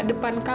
aku mau mencoba